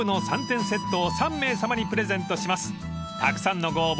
［たくさんのご応募